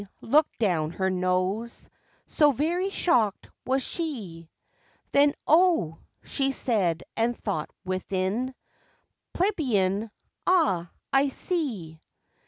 looked down her nose, So very shocked was she Then, O, she said and thought within, "Plebian, Ah, I see."